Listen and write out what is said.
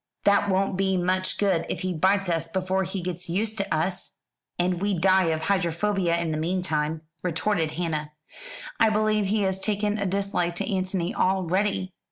"That won't be much good if he bites us before he gets used to us, and we die of hydrophobia in the meantime," retorted Hannah; "I believe he has taken a dislike to Antony already."